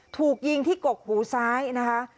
ถูกยิงที่กกหูซ้ายนะคะ